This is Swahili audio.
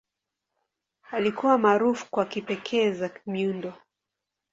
Alikuwa maarufu kwa kipekee za miundo.